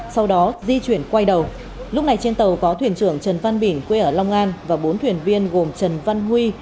sau đó di chuyển quay đầu lúc này trên tàu có thuyền trưởng trần văn bỉnh quê ở long an và bốn thuyền viên gồm trần văn huy